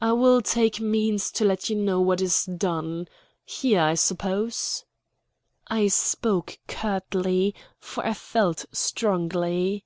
"I will take means to let you know what is done. Here, I suppose?" I spoke curtly, for I felt strongly.